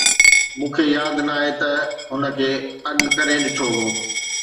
مون کي ياد ناهي ته هن کي اڳ ڪڏهن ڏٺو هو